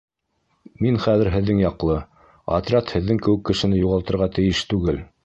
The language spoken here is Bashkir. Мин хәҙер һеҙҙең яҡлы, отряд һеҙҙең кеүек кешене юғалтырға тейеш түгел.